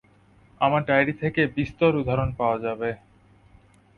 আমার ডায়রি থেকে বিস্তর উদাহরণ পাওয়া যাবে।